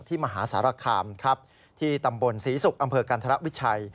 ที่มหาสารคามที่ตำบลศรีศุกร์อำเภอการณ์ธรรมวิชัย